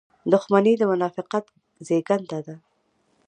• دښمني د منافقت زېږنده ده.